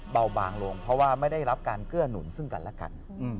เบาบางลงเพราะว่าไม่ได้รับการเกื้อหนุนซึ่งกันและกัน